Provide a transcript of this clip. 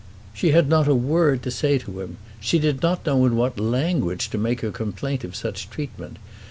She had not a word to say to him. She did not know in what language to make her complaint of such treatment.